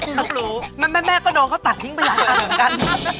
คุณลูกรู้แม่แม่ก็โดนเขาตัดทิ้งไปแล้วกัน